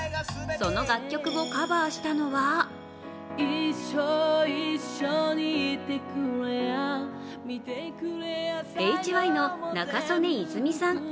その楽曲をカバーしたのはＨＹの仲宗根泉さん。